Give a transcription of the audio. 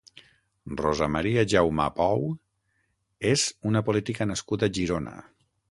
Rosa Maria Jaumà Pou és una política nascuda a Girona.